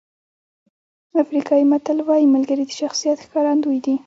افریقایي متل وایي ملګري د شخصیت ښکارندوی دي.